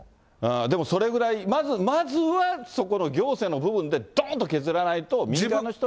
でもそれぐらい、まず、まずはそこの行政の部分でどんと削らないと、そうです。